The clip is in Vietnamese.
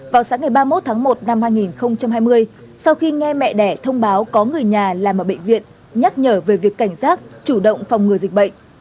vào sáng ngày ba mươi một tháng một năm hai nghìn hai mươi sau khi nghe mẹ đẻ thông báo có người nhà làm ở bệnh viện nhắc nhở về việc cảnh giác chủ động phòng ngừa dịch bệnh